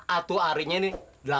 atuh arinya nih